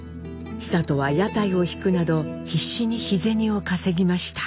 久渡は屋台を引くなど必死に日銭を稼ぎました。